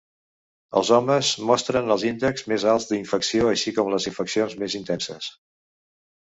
Els homes mostren els índexs més alts d'infecció, així com les infeccions més intenses.